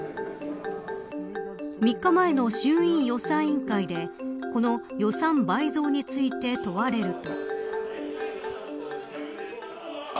３日前の衆院予算委員会でこの予算倍増について問われると。